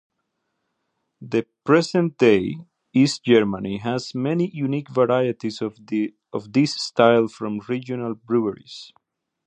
The present-day East Germany has many unique varieties of this style from regional breweries.